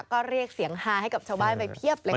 ก็เรียกเสียงฮาให้กับชาวบ้านไปเพียบเลยค่ะ